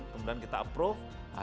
kemudian kita approve